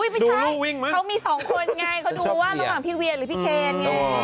ไม่ใช่เขามีสองคนนี่ค่ะเขาดูมากับพี่เวียดหรือพี่แคน